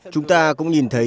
chúng ta cũng nhìn thấy